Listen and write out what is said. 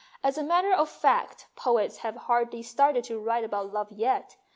As a matter of fact poets have hardly started to write about love yet.